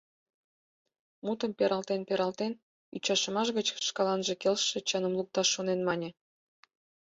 Мутым пералтен-пералтен, ӱчашымаш гыч шкаланже келшыше чыным лукташ шонен мане: